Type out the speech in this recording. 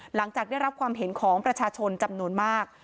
หลังจากได้รับความเห็นของประชาชนจำนวนมาก